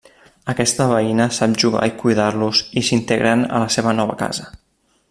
Aquesta veïna sap jugar i cuidar-los i s'integren a la seva nova casa.